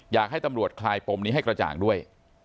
อยากให้ตำรวจคลายปมนี้ให้กระจ่างด้วย